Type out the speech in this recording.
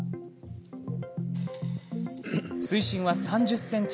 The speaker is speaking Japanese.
水深は３０ｃｍ。